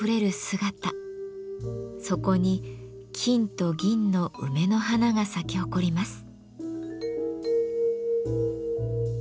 そこに金と銀の梅の花が咲き誇ります。